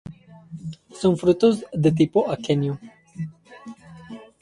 Sus frutos son de tipo aquenio.